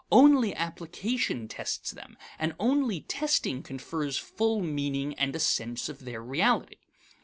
Only application tests them, and only testing confers full meaning and a sense of their reality.